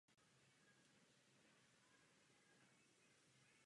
Neznámo kdy zde vznikla obecní škola.